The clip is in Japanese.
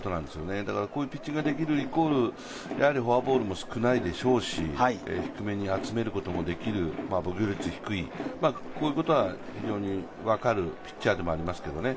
こういうピッチングができるイコール、フォアボールも少ない低めに集めることもできる、防御率が低い、こういうことは非常に分かるピッチャーでもありますけどね。